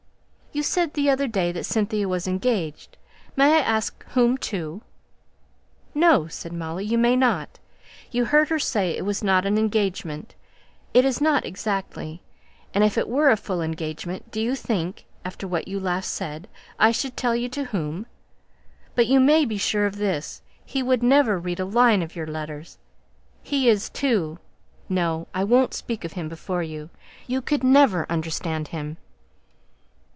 "You said the other day that Cynthia was engaged. May I ask whom to?" "No," said Molly, "you may not. You heard her say it was not an engagement. It is not exactly; and if it were a full engagement, do you think, after what you last said, I should tell you to whom? But you may be sure of this, he would never read a line of your letters. He is too No! I won't speak of him before you. You could never understand him."